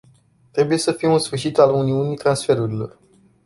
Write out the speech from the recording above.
Trebuie să fie un sfârșit al uniunii transferurilor.